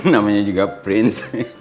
namanya juga prins